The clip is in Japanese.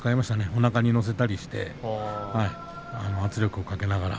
おなかに乗せたりして圧力をかけながら。